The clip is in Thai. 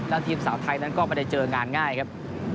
แล้วทีมสาวไทยนั้นก็ไม่ได้เจองานง่ายครับ